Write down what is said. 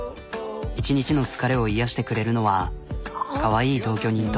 １日の疲れを癒やしてくれるのはかわいい同居人と。